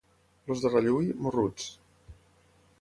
Els de Rallui, morruts.